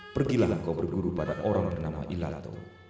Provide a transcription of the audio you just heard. pergilah kau berguru pada orang bernama ilalatul